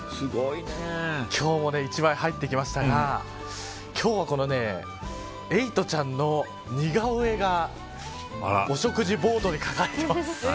今日も１枚入ってきましたが今日はこのエイトちゃんの似顔絵がお食事ボードに描かれています。